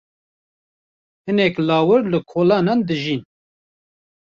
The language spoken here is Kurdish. Hinek lawir li kolanan dijîn.